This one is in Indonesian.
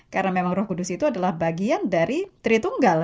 karena memang roh kudus itu adalah bagian dari tritunggal